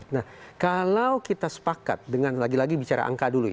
nah kalau kita sepakat dengan lagi lagi bicara angka dulu